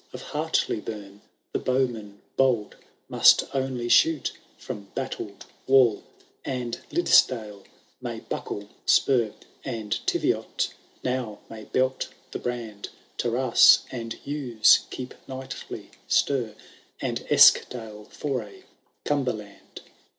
Of Hartley bum the bowmen bold Must only shoot from battled wall ; And liddesdale may buckle spur. And Teviot now may belt the biand. Tares and Ewes keep nightly stir. And Eskdale fomy Cumberland.